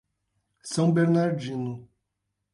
São Bernardino